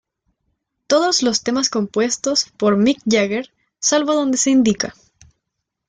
Todos los temas compuestos por Mick Jagger, salvo donde se indica.